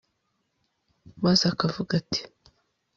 maze akavuga ati